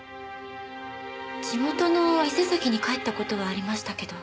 地元の伊勢崎に帰った事はありましたけど。